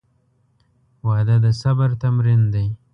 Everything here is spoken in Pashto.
• واده د صبر تمرین دی.